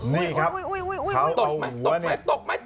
นี่ครับเขาเอาหัวเนี่ยตกมั้ยตก